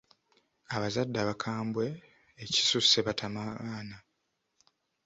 Abazadde abakambwe ekisusse batama abaana.